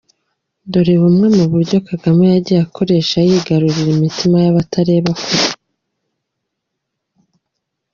Dore bumwe mu buryo Kagame yagiye akoresha yigarurira imitima y’abatareba kure: